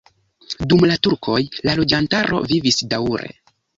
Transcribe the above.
Dum la turkoj la loĝantaro vivis daŭre.